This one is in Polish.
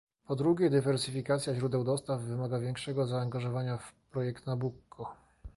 Po drugie, dywersyfikacja źródeł dostaw wymaga większego zaangażowania w projekt Nabucco